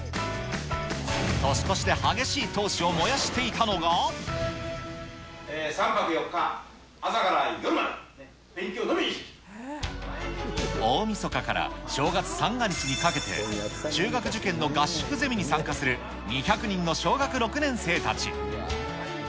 年越しで激しい闘志を燃やしてい３泊４日、大みそかから正月三が日にかけて、中学受験の合宿ゼミに参加する２００人の小学６年生たち。